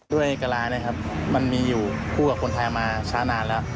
กะลาเนี่ยครับมันมีอยู่คู่กับคนไทยมาช้านานแล้ว